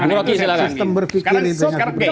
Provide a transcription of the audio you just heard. bung rocky silahkan